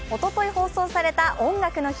放送された「音楽の日」。